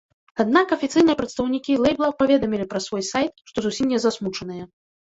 Аднак афіцыйныя прадстаўнікі лэйбла паведамілі праз свой сайт, што зусім не засмучаныя.